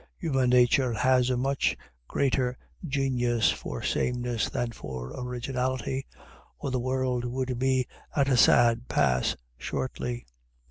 Human nature has a much greater genius for sameness than for originality, or the world would be at a sad pass shortly.